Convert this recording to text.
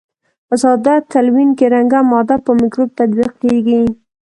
په ساده تلوین کې رنګه ماده په مکروب تطبیق کیږي.